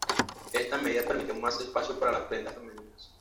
Esta medida permitió más espacio para las prendas femeninas.